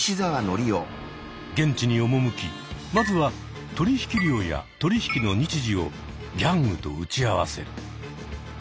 現地に赴きまずは取引量や取引の日時をギャングと打ち合わせる。